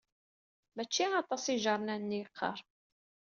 Mačči aṭas ijernanen i yeqqar.